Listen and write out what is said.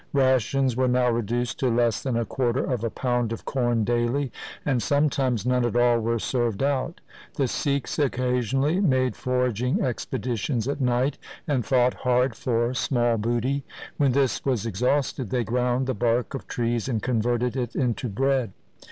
Rations were now reduced to less than a quarter of a pound of corn daily, and some times none at all were served out. The Sikhs occasionally made foraging expeditions at night, and fought hard for small booty. When this was ex hausted, they ground the bark of trees and converted it into bread.